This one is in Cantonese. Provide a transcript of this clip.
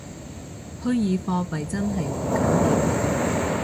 虛擬貨幣真係唔敢掂